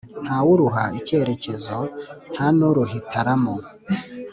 ntawuruha icyerekezo ntanuruhitaramo